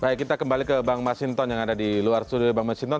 baik kita kembali ke bang masinton yang ada di luar studio bang masinton